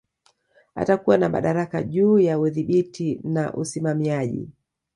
Atakuwa na madaraka juu ya udhibiti na usimamiaji